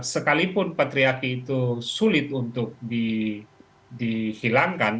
sekalipun patriarki itu sulit untuk dihilangkan